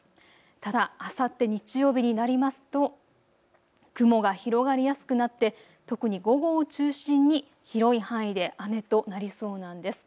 ただあさって日曜日になりますと雲が広がりやすくなって特に午後を中心に広い範囲で雨となりそうなんです。